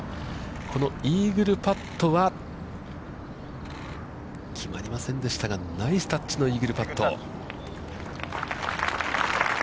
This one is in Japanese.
このイーグルパットは決まりませんでしたが、ナイスタッチのイーグルパット。